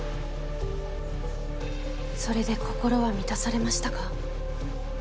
それで心は満たされましたか？